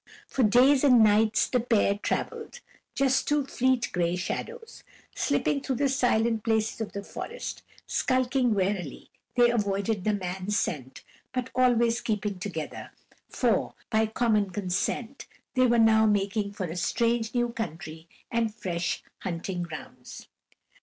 For days and nights the pair traveled, just two fleet gray shadows, slipping through the silent places of the forest; skulking warily, they avoided the man scent, but always keeping together, for, by common consent, they were now making for a strange, new country and fresh hunting grounds.